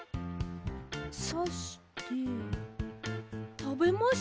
さしてたべました。